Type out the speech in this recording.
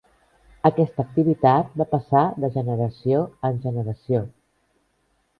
Aquesta activitat va passar de generació en generació.